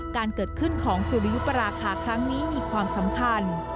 การเกิดขึ้นของสุริยุปราคาครั้งนี้มีความสำคัญ